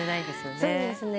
そうですね。